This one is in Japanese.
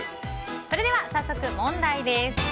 それでは早速問題です。